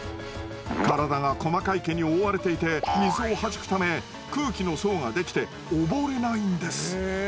体が細かい毛に覆われていて水をはじくため空気の層ができて溺れないんです。